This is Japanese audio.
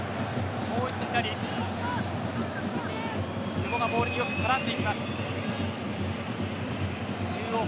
久保がボールによく絡んでいきます。